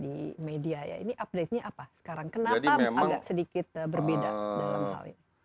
di media ya ini update nya apa sekarang kenapa agak sedikit berbeda dalam hal ini